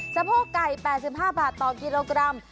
สะโพกไก่๘๕บาทต่อกิโลกรัม